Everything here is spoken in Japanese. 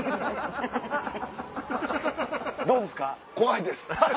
どうですか？